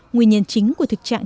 nguyên nhân chính của thực trạng